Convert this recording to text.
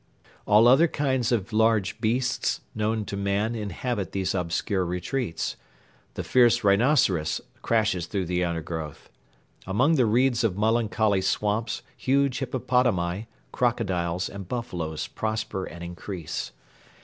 ] All other kinds of large beasts known to man inhabit these obscure retreats. The fierce rhinoceros crashes through the undergrowth. Among the reeds of melancholy swamps huge hippopotami, crocodiles, and buffaloes prosper and increase.